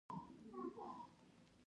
میرزا شاهرخ، چې له پلار وروسته پاچا شو.